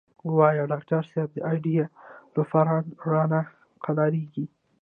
او وې ئې " ډاکټر صېب د اډې لوفران رانه نۀ قلاریږي